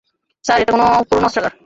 Sir, এটা কোনো পুরানো অস্ত্রাগার।